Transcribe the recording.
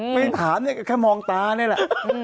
ไม่ถามนี่แค่มองตานี่แหละ